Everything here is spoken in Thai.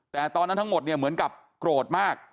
แต่ตอนนั้นทั้งหมดเนี่ยเหมือนกับโกรธมาก